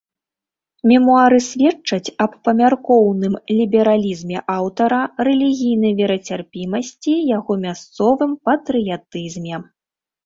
Мемуары сведчаць аб памяркоўным лібералізме аўтара, рэлігійнай верацярпімасці, яго мясцовым патрыятызме.